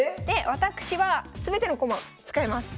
私は全ての駒を使います。